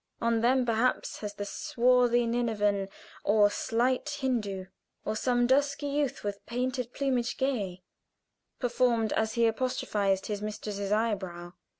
On them, perhaps, has the swarthy Ninevan, or slight Hindoo, or some "Dusky youth with painted plumage gay" performed as he apostrophized his mistress's eyebrow.